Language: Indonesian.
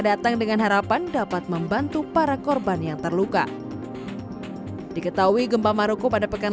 datang dengan harapan dapat membantu para korban yang terluka diketahui gempa maroko pada pekan